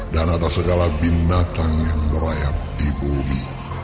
dan atas segala binatang yang merayap di bumi